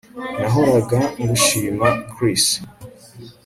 Nahoraga ngushima Chris